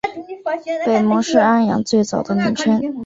北蒙是安阳最早的名称。